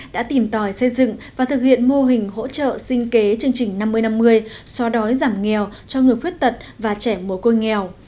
đã tìm tòi xây dựng và thực hiện mô hình hỗ trợ sinh kế chương trình năm mươi năm mươi so đói giảm nghèo cho người khuyết tật và trẻ mồ côi nghèo